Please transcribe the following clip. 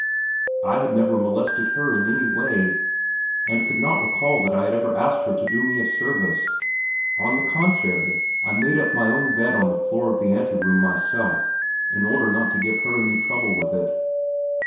I had never molested her in any way, and could not recall that I had ever asked her to do me a service. On the contrary, I made up my bed on the floor in the ante room myself, in order not to give her any trouble with it.